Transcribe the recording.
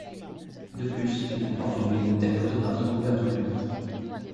De plus, il comporte une bibliothèque photographique ouverte au public.